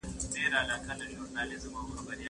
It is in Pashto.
پل مي دي پیدا کی له رویبار سره مي نه لګي